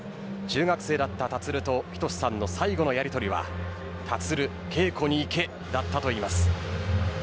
中学生だった立と仁さんの最後のやりとりは立、稽古に行けだったといいます。